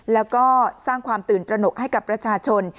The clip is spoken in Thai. แล้วก็สร้างความตื่นตระหนกให้กับประชาชน